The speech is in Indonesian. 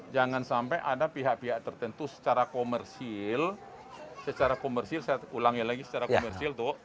jangan sampai ada pihak pihak tertentu secara komersil secara komersil saya ulangi lagi secara komersil dok